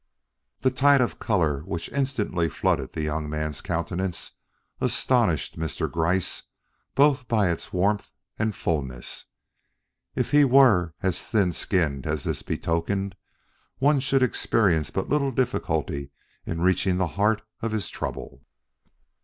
The tide of color which instantly flooded the young man's countenance astonished Mr. Gryce both by its warmth and fullness. If he were as thin skinned as this betokened, one should experience but little difficulty in reaching the heart of his trouble.